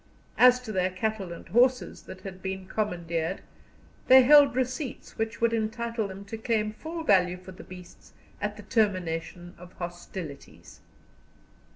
As to their cattle and horses that had been commandeered, they held receipts which would entitle them to claim full value for the beasts at the termination of hostilities.